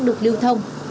đã được lưu thông